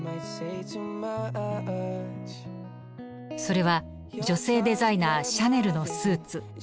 それは女性デザイナーシャネルのスーツ。